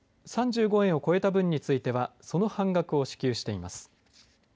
３５円を超えた分についてはその半額を支給しています。